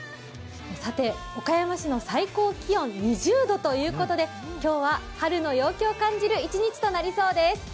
さて岡山市の最高気温、２０度ということで今日は春の陽気を感じる一日となりそうです。